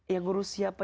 yang ngurus siapa